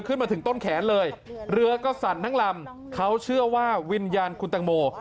ขึ้นมาถึงต้นแขนเลยเรือก็สั่นทั้งลำเขาเชื่อว่าวิญญาณคุณตังโม